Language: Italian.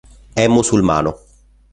È musulmano.